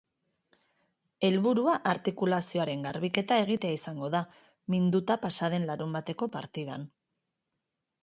Helburua artikulazioaren garbiketa egitea izango da, minduta pasa den larunbateko partidan.